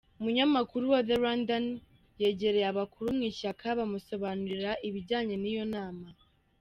Umunyamakuru wa The Rwandan yegereye abakuru mu ishyaka bamusobanurira ibijyanye n’iyo nama.